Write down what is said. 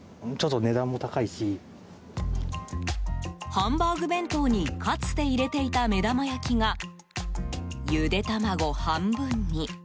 ハンバーグ弁当にかつて入れていた目玉焼きがゆで卵半分に。